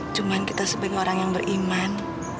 cuman kita sebagai orang yang beriman